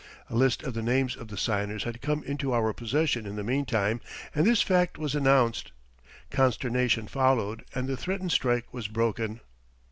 A list of the names of the signers had come into our possession in the meantime, and this fact was announced. Consternation followed and the threatened strike was broken.